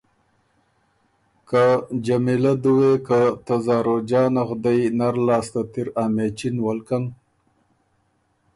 که جمیلۀ دُوې که ته زاروجانه غدئ نر لاستت اِر ا مېچِن ولکن،